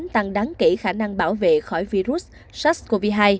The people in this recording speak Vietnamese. tăng đáng kể khả năng bảo vệ khỏi virus sars cov hai